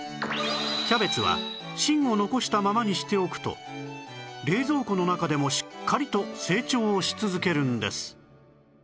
キャベツは芯を残したままにしておくと冷蔵庫の中でもしっかりと成長し続けるんです